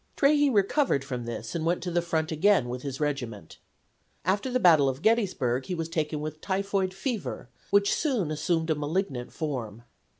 Trahey recovered from this and went to the front again with his regiment. After the battle of Gettysburg he was taken with typhoid fever, which soon assumed a malignant form.